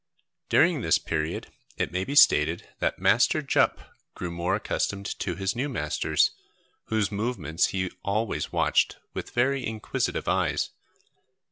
During this period it may be stated that Master Jup grew more accustomed to his new masters, whose movements he always watched with very inquisitive eyes.